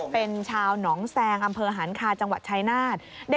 เป็นชาวหนองแซงอำเภอหันคาจังหวัดชายนาฏ